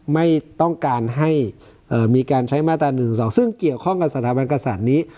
ไม่ต้องการให้มีการใช้มาตรา๑๑๒ซึ่งเกี่ยวข้องกับสถาบันกษัตริย์นี้